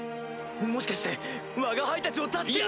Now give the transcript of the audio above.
もしかしてわが輩たちを助けに。